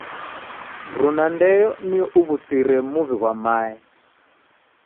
Mrunda ndeyo nio uw'usire muw'i ghwa mae.